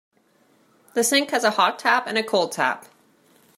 The sink has a hot tap and a cold tap